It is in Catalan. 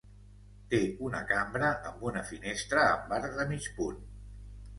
Té una cambra amb una finestra amb arc de mig punt.